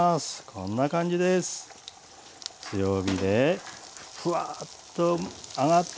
こんな感じですよね。